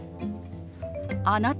「あなた？」。